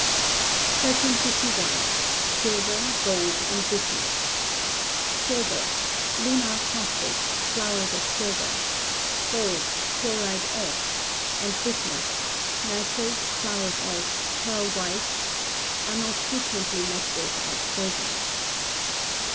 ] 1351. Silver, Gold and Bismuth. Silver: (Lunar caustic; flowers of silver); Gold (Chloride of); and Bismuth (Nitrate; flowers of; pearl white), are not frequently met with as poisons.